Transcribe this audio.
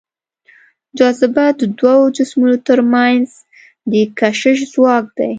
جاذبه د دوو جسمونو تر منځ د کشش ځواک دی.